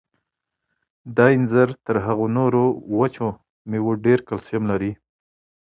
دا انځر تر هغو نورو وچو مېوو ډېر کلسیم لري.